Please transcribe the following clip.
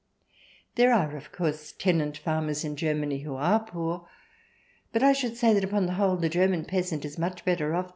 There are, of course, tenant farmers in Germany who are poor, but I should say that upon the whole the German peasant is much better o£E CH.